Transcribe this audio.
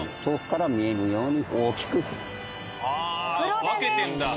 遠くから見えるように大きく振る。